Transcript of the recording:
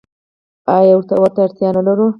آیا او ورته اړتیا نلرو؟